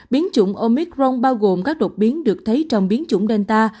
biến chủng omicron bao gồm các đột biến được thấy trong biến chủng delta